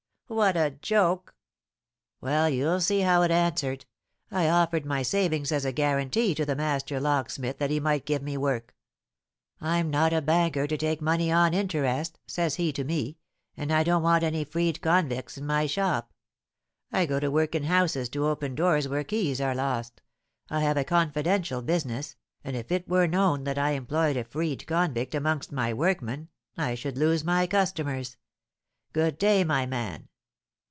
'" "What a joke!" "Well, you'll see how it answered. I offered my savings as a guarantee to the master locksmith that he might give me work. 'I'm not a banker to take money on interest,' says he to me, 'and I don't want any freed convicts in my shop. I go to work in houses to open doors where keys are lost, I have a confidential business, and if it were known that I employed a freed convict amongst my workmen I should lose my customers. Good day, my man.'"